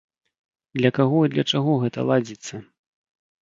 Для каго і для чаго гэта ладзіцца?